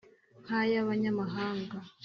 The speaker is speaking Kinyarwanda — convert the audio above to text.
Nk' ay' abanyamahanga